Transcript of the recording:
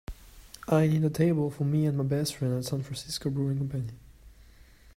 I need a table for me and my best friend at San Francisco Brewing Company.